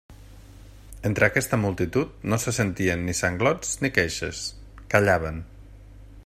Entre aquesta multitud no se sentien ni sanglots ni queixes; callaven.